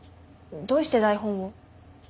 どうして台本を？